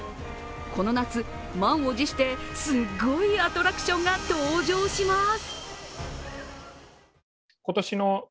この夏、満を持してすごいアトラクションが登場します。